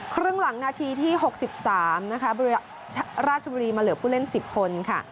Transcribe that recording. ครึ่งหลังนาทีที่๖๓นะคะราชบุรีมาเหลือผู้เล่น๑๐คนค่ะ